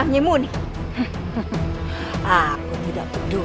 kami akan membuatmu menjadi saudara